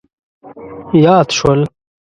یاد شول.